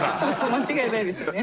間違いないですね。